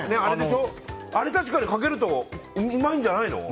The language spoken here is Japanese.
あれ、確かにかけるとうまいんじゃない？